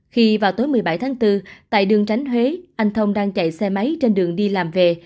khi vào tối một mươi bảy tháng bốn tại đường tránh huế anh thông đang chạy xe máy trên đường đi làm về